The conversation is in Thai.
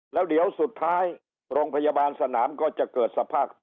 แล้วเดี๋ยวสุดท้ายโรงพยาบาลสนามก็จะเกิดสภาพ